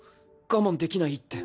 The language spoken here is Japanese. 我慢できないって。